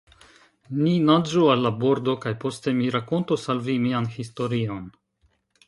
Ni naĝu al la bordo, kaj poste mi rakontos al vi mian historion.